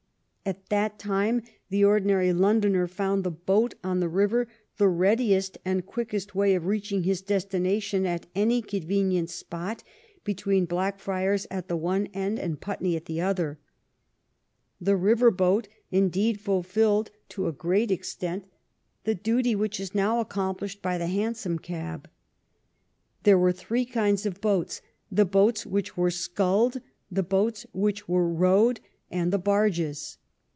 At that time the ordinary Londoner found the boat on the river the readiest and. quickest way of reaching his destination at any convenient spot be tween Blackfriars at the one end and Putney at the other. The river boat, indeed, fulfilled to a great ex 212 THE LONDON OF QUEEN ANNE tent the duty which is now accomplished by the han som cab. There were three kinds of boats: the boats which were sculled, the boats which were rowed, and the barges.